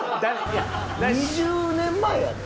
２０年前やで。